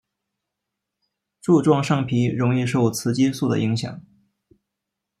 柱状上皮容易受雌激素的影响。